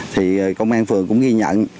thì công an phường cũng ghi nhận